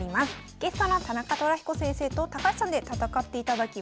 ゲストの田中寅彦先生と高橋さんで戦っていただきます。